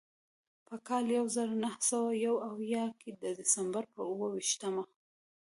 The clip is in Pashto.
په کال یو زر نهه سوه یو اویا کې د ډسمبر پر اوه ویشتمه.